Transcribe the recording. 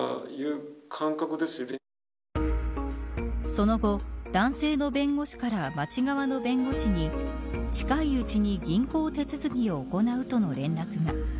その後、男性の弁護士から町側の弁護士に近いうちに銀行手続きを行うとの連絡が。